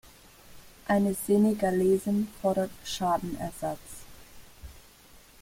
Eine Senegalesin fordert Schadenersatz.